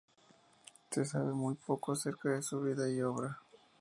Se sabe muy poco acerca de su vida y obra.